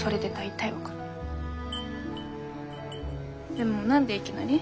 でも何でいきなり？